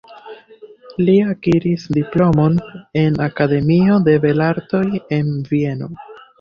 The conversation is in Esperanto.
Li akiris diplomon en Akademio de Belartoj de Vieno.